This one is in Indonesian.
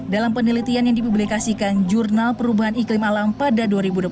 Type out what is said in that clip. dalam penelitian yang dipublikasikan jurnal perubahan iklim alam pada dua ribu dua puluh